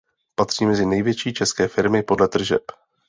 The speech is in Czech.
Patří mezi největší české firmy podle tržeb.